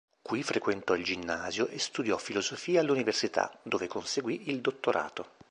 Qui frequentò il ginnasio e studiò filosofia all'università, dove conseguì il dottorato.